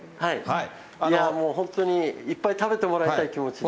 いや、本当にいっぱい食べてもらいたい気持ちで。